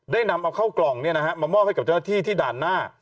นำเอาเข้ากล่องมามอบให้กับเจ้าหน้าที่ที่ด่านหน้า